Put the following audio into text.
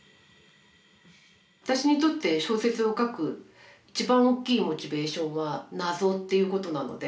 私にとって小説を書く一番大きいモチベーションは謎っていうことなので。